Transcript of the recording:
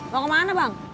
mau kemana bang